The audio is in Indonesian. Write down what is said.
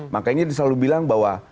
makanya dia selalu bilang bahwa